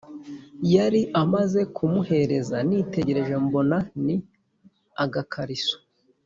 yari amaze kumuhereza, nitegereje mbona ni agakariso